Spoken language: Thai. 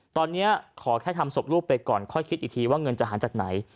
ตอนนี้ขอแค่ทำศพลูกไปก่อนค่อยคิดอีกทีว่าเงินจะหายจากไหน